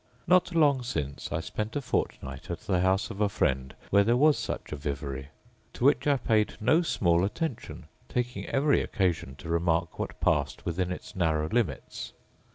Not long since I spent a fortnight at the house of a friend where there was such a vivary, to which I paid no small attention, taking every occasion to remark what passed within its narrow limits.